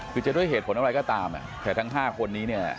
คือจะด้วยเหตุผลอะไรก็ตามแต่ทั้ง๕คนนี้เนี่ย